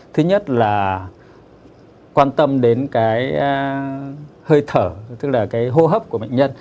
thứ nhất là quan tâm đến hơi thở tức là hô hấp của bệnh nhân